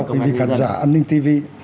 xin chào quý vị khán giả an linh tv